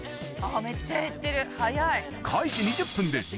めっちゃ減ってる早い。